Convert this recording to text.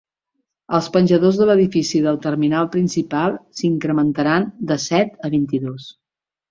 Els penjadors de l'edifici del terminal principal s'incrementaran de set a vint-i-dos.